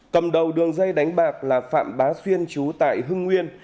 cầm đầu đường dây đánh bạc là phạm bá xuyên chú tại hưng nguyên